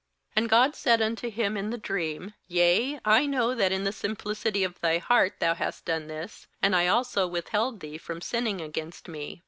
6And God said unto him in the dream: 'Yea, I know that in the simplicity of thy heart thou hast done this, and I also withheld thee from sinning against Me.